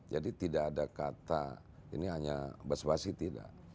jadi tidak ada kata ini hanya bas basi tidak